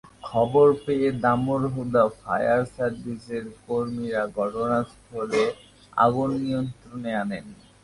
খবর পেয়ে দামুড়হুদা ফায়ার সার্ভিসের কর্মীরা ঘটনাস্থলে গিয়ে আগুন নিয়ন্ত্রণে আনেন।